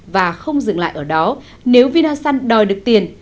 và không dừng lại ở đó nếu vinasun đòi được tiền